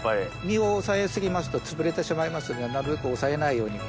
身を押さえ過ぎますとつぶれてしまいますのでなるべく押さえないように。